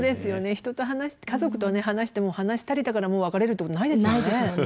人と家族と話しても話し足りたからもう別れるってことないですもんね。